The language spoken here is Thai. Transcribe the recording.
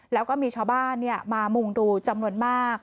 แล้วก็มีช้าบ้านเนี้ยมามุ่งดูจำนวนมาก